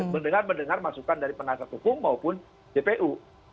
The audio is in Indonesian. mendengar mendengar masukan dari penasihat hukum maupun jpu